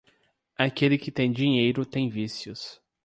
Aquele que tem dinheiro tem vícios.